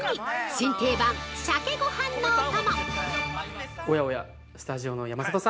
新定番、シャケごはんのお供。